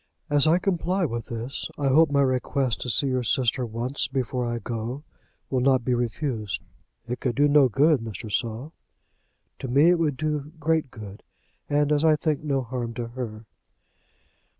As I comply with this, I hope my request to see your sister once before I go will not be refused." "It could do no good, Mr. Saul." "To me it would do great good, and, as I think, no harm to her."